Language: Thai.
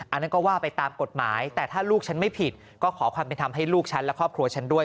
อันนั้นก็ว่าไปตามกฎหมายแต่ถ้าลูกฉันไม่ผิดก็ขอความเป็นธรรมให้ลูกฉันและครอบครัวฉันด้วย